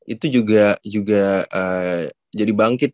itu juga jadi bangkit